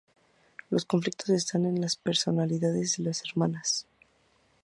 Los conflictos están en las personalidades de las hermanas.